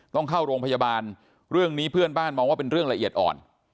ต้องเข้าโรงพยาบาลเรื่องนี้เพื่อนบ้านมองว่าเป็นเรื่องละเอียดอ่อน